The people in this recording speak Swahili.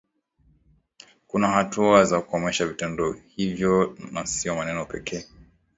kuna hatua za kukomesha vitendo hivyo na sio maneno pekee